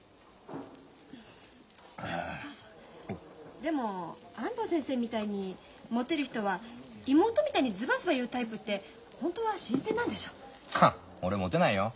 でも安藤先生みたいにもてる人は妹みたいにズバズバ言うタイプってホントは新鮮なんでしょ？はっ俺もてないよ。